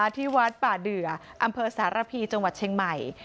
ที่วัดป่าเดืออำเภอสารพีจังหวัดเชียงใหม่